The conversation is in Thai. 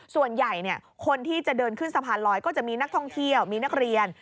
ส่วนใหญ่คนที่จะเดินขึ้นสะพานลอยก็จะมีนักท่องเที่ยวมีนักเรียน